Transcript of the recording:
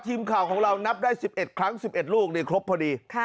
ทีมข่าวของเรานับได้๑๑ครั้ง๑๑ลูกนี่ครบพอดี